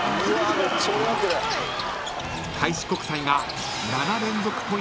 ［開志国際が］